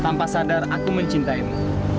tanpa sadar aku mencintaimu